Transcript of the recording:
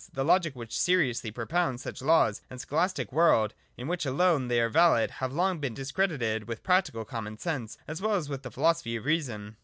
The logic which seriously propounds such laws and the scholastic world in which alone they are valid have long been discredited with practical common sense as well as with the philosophy of reason.